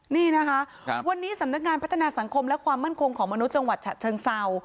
นี่นะคะวันนี้สำนักงานพัฒนาสังคมและความมั่นคงของมนุษย์จังหวัดฉะเชิงเศร้า